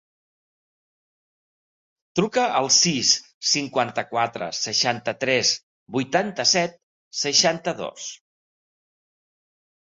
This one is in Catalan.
Truca al sis, cinquanta-quatre, seixanta-tres, vuitanta-set, seixanta-dos.